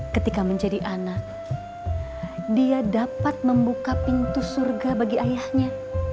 ketika menjadi anak dia dapat membuka pintu surga bagi ayahnya